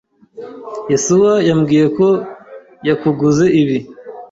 Yesuwa yambwiye ko yakuguze ibi.